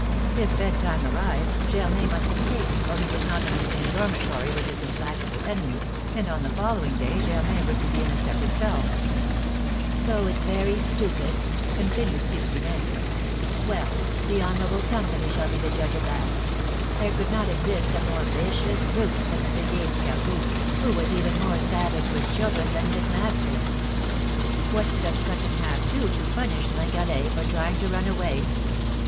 If bedtime arrived, Germain must escape, for he was not in the same dormitory with his implacable enemy, and on the following day Germain was to be in a separate cell. "So it's very stupid!" continued Pique Vinaigre. "Well, the honourable company shall be the judge of that. There could not exist a more vicious brute than the big ape Gargousse, who was even more savage with children than his master. What does Cut in Half do to punish Gringalet for trying to run away?